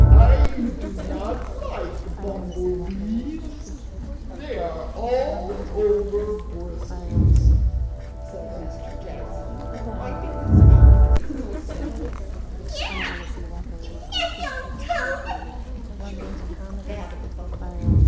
"I do not like bumble bees. They are all over bristles," said Mr. Jackson, wiping his mouth with his coat sleeve. "Get out, you nasty old toad!" shrieked Babbitty Bumble.